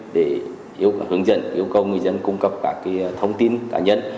để yêu cầu người dân cung cấp các thông tin cá nhân